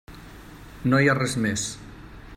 No hi ha res més.